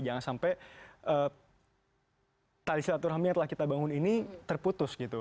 jangan sampai tali silaturahmi yang telah kita bangun ini terputus gitu